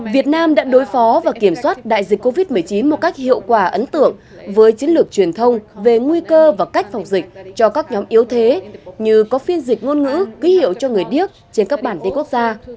việt nam đã đối phó và kiểm soát đại dịch covid một mươi chín một cách hiệu quả ấn tượng với chiến lược truyền thông về nguy cơ và cách phòng dịch cho các nhóm yếu thế như có phiên dịch ngôn ngữ ký hiệu cho người điếc trên các bản tin quốc gia